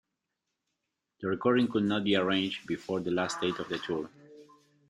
The recording could not be arranged before the last date of the tour.